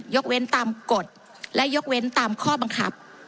ยกเว้นตามกฎและยกเว้นตามข้อบังคับ